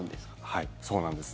はい、そうなんです。